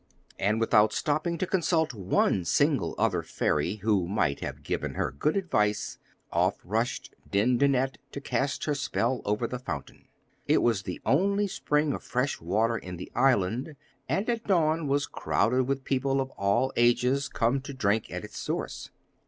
And without stopping to consult one single other fairy, who might have given her good advice, off rushed Dindonette, to cast her spell over the fountain. It was the only spring of fresh water in the island, and at dawn was crowded with people of all ages, come to drink at its source.